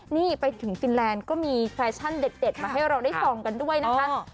นี่ไปถึงฟินแลนด์ก็มีแฟชั่นเด็ดมาให้เราได้ส่องกันด้วยนะคะ